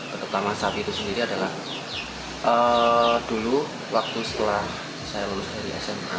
terutama saat itu sendiri adalah dulu waktu setelah saya lulus dari sma